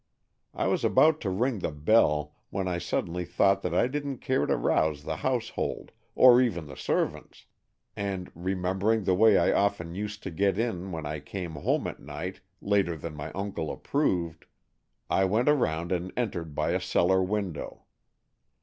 I was about to ring the bell, when I suddenly thought that I didn't care to rouse the household, or even the servants, and, remembering the way I often used to get in when I came home at night later than my uncle approved, I went around and entered by a cellar window.